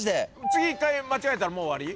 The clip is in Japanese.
次１回間違えたらもう終わり？